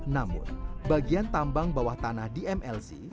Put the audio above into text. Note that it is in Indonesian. namun bagian tambang bawah tanah dmlz